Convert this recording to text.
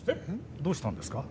どうしたんですか？